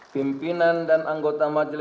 pimpinan dan anggota menteri